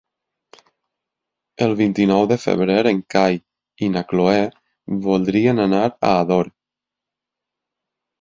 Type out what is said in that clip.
El vint-i-nou de febrer en Cai i na Cloè voldrien anar a Ador.